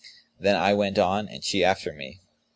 Then I went on and she after me.